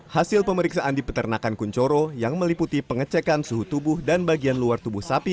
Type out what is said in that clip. hasil pemeriksaan di peternakan kunchoro yang meliputi pengecekan suhu tubuh dan bagian luar tubuh sapi